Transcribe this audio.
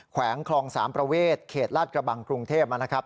แขวงคลอง๓ประเวทเขตลาดกระบังกรุงเทพนะครับ